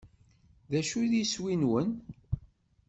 D acu-t yiswi-nwen?